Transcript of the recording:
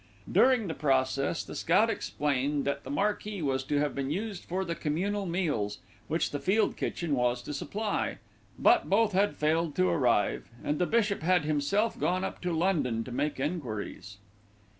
During the process the scout explained that the marquee was to have been used for the communal meals, which the field kitchen was to supply; but both had failed to arrive, and the bishop had himself gone up to London to make enquiries.